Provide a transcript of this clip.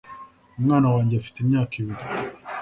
Umwana wanjye afite imyaka ibiri